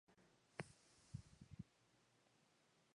Posteriormente, apareció como invitado en las óperas de Viena y Múnich.